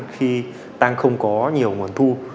khi đang không có nhiều nguồn thu